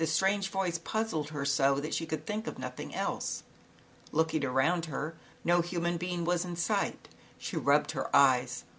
strai* o e voice puzzled her so that she could think of nothing else. Looking around her, no human being was in sight. She rubbed her eyes.